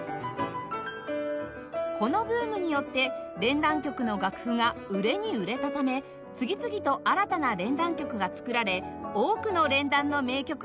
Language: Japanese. このブームによって連弾曲の楽譜が売れに売れたため次々と新たな連弾曲が作られ多くの連弾の名曲が生まれました